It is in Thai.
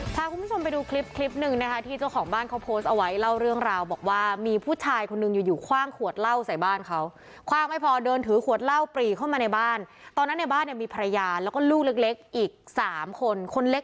พาคุณผู้ชมไปดูคลิปคลิปหนึ่งนะคะที่เจ้าของบ้านเขาโพสต์เอาไว้เล่าเรื่องราวบอกว่ามีผู้ชายคนหนึ่งอยู่อยู่คว่างขวดเหล้าใส่บ้านเขาคว่างไม่พอเดินถือขวดเหล้าปรีเข้ามาในบ้านตอนนั้นในบ้านเนี่ยมีภรรยาแล้วก็ลูกเล็กเล็กอีกสามคนคนเล็ก